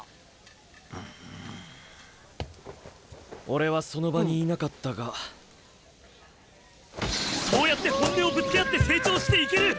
俺はその場にいなかったがそうやって本音をぶつけ合って成長していける！